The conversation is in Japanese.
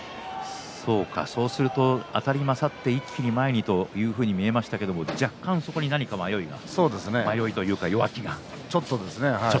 そうするとあたり勝って一気に前にというふうに見えましたが若干そこに迷いというか弱気があったんですね。